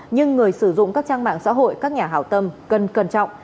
nhưng người sử dụng các trang mạng xã hội các nhà hào tâm cần cân trọng